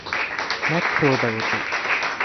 แม็คโครไบโอติกส์